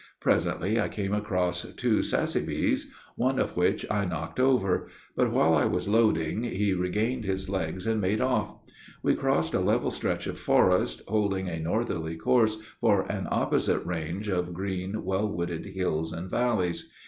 Presently I came across two sassaybies, one of which I knocked over; but, while I was loading, he regained his legs and made off. We crossed a level stretch of forest, holding a northerly course for an opposite range of green, well wooded hills and valleys.